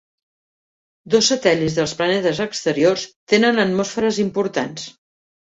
Dos satèl·lits dels planetes exteriors tenen atmosferes importants.